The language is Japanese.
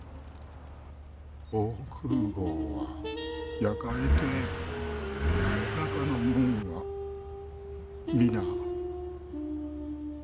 防空壕は焼かれて中の者は皆。